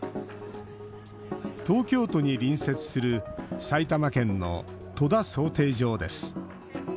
東京都に隣接する埼玉県の戸田漕艇場です。